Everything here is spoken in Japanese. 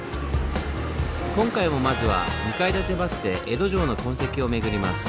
今回もまずは２階建てバスで江戸城の痕跡を巡ります。